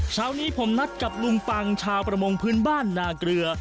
เช้านี้ผมนัดกับลุงปังชาวประมงพื้นบ้านนาเกลือ